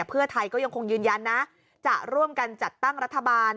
เพื่อไทยก็ยังคงยืนยันนะจะร่วมกันจัดตั้งรัฐบาล